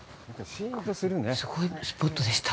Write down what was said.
すごいスポットでした。